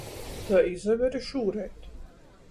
Tai izaver i šūreit.